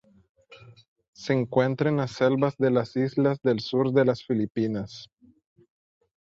Se encuentra en las selvas de las islas del sur de las Filipinas.